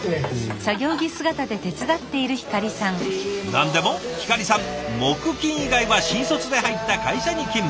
何でもひかりさん木金以外は新卒で入った会社に勤務。